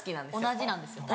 同じなんですよ